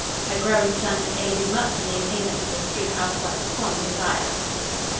Her growing son had aided much in the attainment of this good housewife's fond desire.